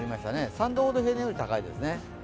３度ほど平年より高いですね。